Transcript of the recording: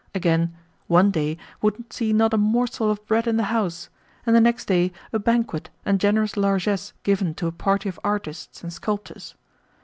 Again, one day would see not a morsel of bread in the house, and the next day a banquet and generous largesse given to a party of artists and sculptors.